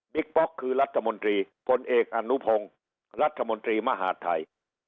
ป๊อกคือรัฐมนตรีพลเอกอนุพงศ์รัฐมนตรีมหาดไทย